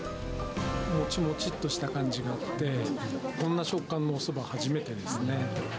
もちもちっとした感じがあって、こんな食感のおそば、初めてですね。